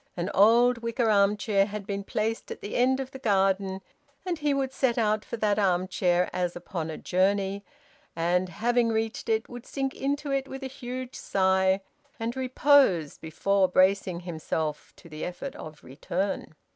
An old wicker arm chair had been placed at the end of the garden, and he would set out for that arm chair as upon a journey, and, having reached it, would sink into it with a huge sigh, and repose before bracing himself to the effort of return.